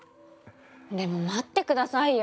でも待って下さいよ。